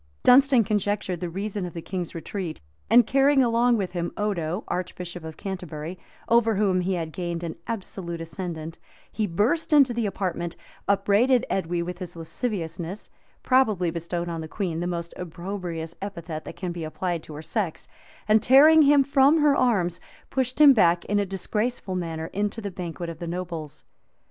Dunstan conjectured the reason of the king's retreat; and, carrying along with him Odo, archbishop of Canterbury, over whom he had gained an absolute ascendant, he burst into the apartment, upbraided Edwy with his lasciviousness, probably bestowed on the queen the most opprobrious epithet that can be applied to her sex, and tearing him from her arms, pushed him back, in a disgraceful manner, into the banquet of the nobles.